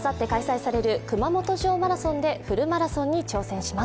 競れる熊本城マラソンでフルマラソンに挑戦します。